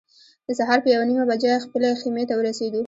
د سهار په یوه نیمه بجه خپلې خیمې ته ورسېدو.